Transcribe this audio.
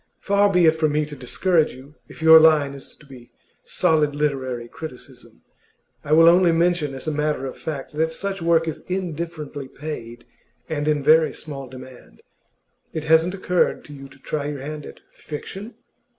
Far be it from me to discourage you, if your line is to be solid literary criticism; I will only mention, as a matter of fact, that such work is indifferently paid and in very small demand. It hasn't occurred to you to try your hand at fiction?